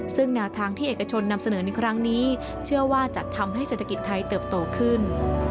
ซึ่งแนวทางที่เอกชนนำเสนอในครั้งนี้เชื่อว่าจะทำให้เศรษฐกิจไทยเติบโตขึ้น